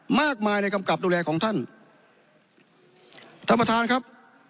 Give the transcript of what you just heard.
มากมายในกำกับดูแลของท่านท่านประธานครับ